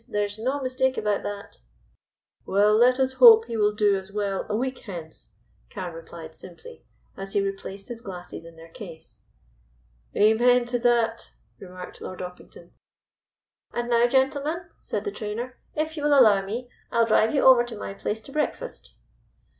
There's no mistake about that." "Well, let us hope he will do as well a week hence," Carne replied simply, as he replaced his glasses in their case. "Amen to that," remarked Lord Orpington. "And now, gentlemen," said the trainer, "if you will allow me, I will drive you over to my place to breakfast."